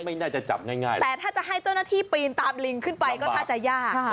ไม่น่าจะจับง่ายแต่ถ้าจะให้เจ้าหน้าที่ปีนตามลิงขึ้นไปก็ถ้าจะยาก